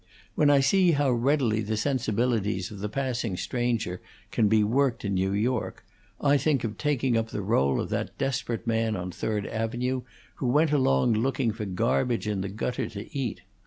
When I see how readily the sensibilities of the passing stranger can be worked in New York, I think of taking up the role of that desperate man on Third Avenue who went along looking for garbage in the gutter to eat.